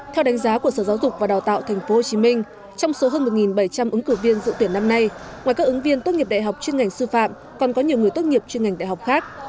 theo đánh giá của sở giáo dục và đào tạo tp hcm trong số hơn một bảy trăm linh ứng cử viên dự tuyển năm nay ngoài các ứng viên tốt nghiệp đại học chuyên ngành sư phạm còn có nhiều người tốt nghiệp chuyên ngành đại học khác